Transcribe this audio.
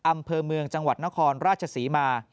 อำเภอเมืองจังหวัดนครราชศรีมา